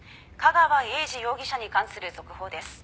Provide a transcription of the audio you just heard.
架川英児容疑者に関する続報です」